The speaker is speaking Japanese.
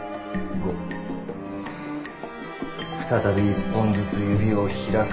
再び一本ずつ指を開く。